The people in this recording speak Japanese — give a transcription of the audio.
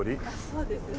そうですね。